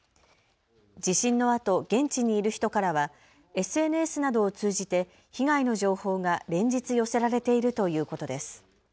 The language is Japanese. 地震のあと現地にいる人からはＳＮＳなどを通じて被害の情報が連日、寄せられているということです。